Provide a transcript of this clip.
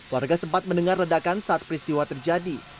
warga sempat mendengar ledakan saat peristiwa terjadi